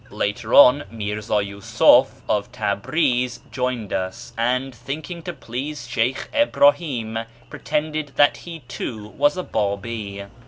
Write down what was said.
Later on Mi'rza Yi'isuf of Tabriz joined us, and, thinking to please Sheykh Ibrahim, pretended that he too was a Btibi.